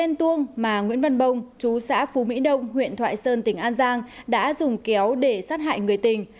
chỉ vì ghen tuông mà nguyễn văn bông chú xã phú mỹ đông huyện thoại sơn tỉnh an giang đã dùng kéo để sát hại người tình